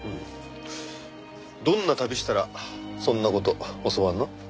どんな旅したらそんな事教わるの？